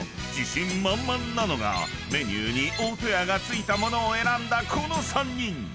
［自信満々なのがメニューに「大戸屋」が付いたものを選んだこの３人］